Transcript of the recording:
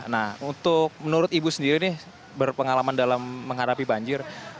nah untuk menurut ibu sendiri nih berpengalaman dalam menghadapi banjir